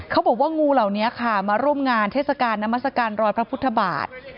เขาบอกว่างูเหล่านี้ค่ะมาร่วมงานเทศกาลนามัศกาลรอยพระพุทธบาท